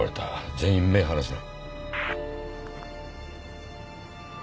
全員目離すな。